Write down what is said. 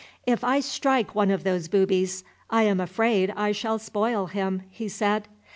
"If I strike one of those boobies, I am afraid I shall spoil him," he said.